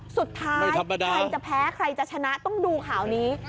สุดท้ายใครจะแพ้ใครจะชนะต้องดูข่าวนี้